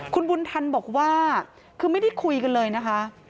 คุณบุญทันบอกว่าคือไม่ได้คุยกันเลยนะคะ